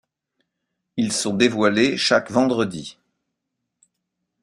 Ils sont dévoilés chaque vendredi.